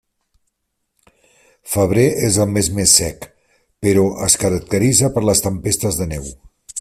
Febrer és el mes més sec, però es caracteritza per les tempestes de neu.